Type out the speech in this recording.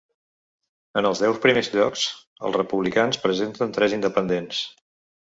En els deu primers llocs els republicans presenten tres independents.